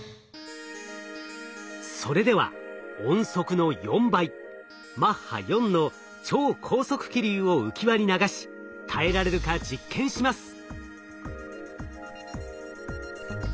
それでは音速の４倍マッハ４の超高速気流を浮き輪に流し耐えられるか実験します。